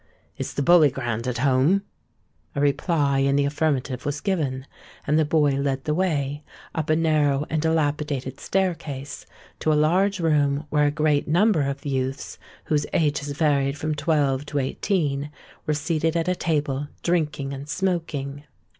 "Is the Bully Grand at home?" A reply in the affirmative was given; and the boy led the way, up a narrow and dilapidated staircase, to a large room where a great number of youths, whose ages varied from twelve to eighteen, were seated at a table, drinking and smoking.